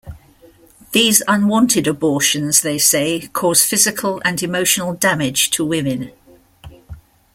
These unwanted abortions, they say, cause physical and emotional damage to women.